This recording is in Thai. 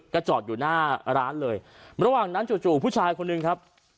ก็จอดอยู่หน้าร้านเลยระหว่างนั้นจู่ผู้ชายคนหนึ่งครับ